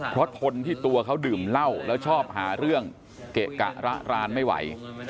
เพราะทนที่ตัวเขาดื่มเหล้าแล้วชอบหาเรื่องเกะกะระรานไม่ไหว